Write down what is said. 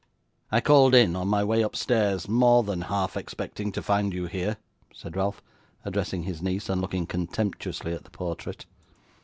'I called in, on my way upstairs, more than half expecting to find you here,' said Ralph, addressing his niece, and looking contemptuously at the portrait.